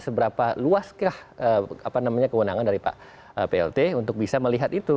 seberapa luaskah kewenangan dari pak plt untuk bisa melihat itu